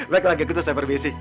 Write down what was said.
baiklah gitu saya permisi